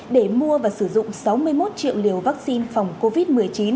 để mua và sử dụng sáu mươi một triệu liều vaccine phòng covid một mươi chín